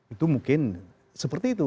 itu mungkin seperti itu